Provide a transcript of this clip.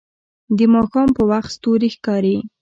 د ماښام په وخت ستوري ښکاري